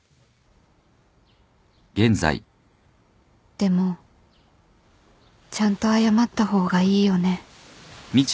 でもちゃんと謝った方がいいよね